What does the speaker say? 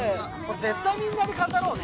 絶対みんなで飾ろうね。